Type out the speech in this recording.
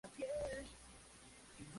Ahí Emilia vive muchas aventuras.